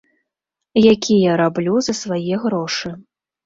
Які я раблю за свае грошы.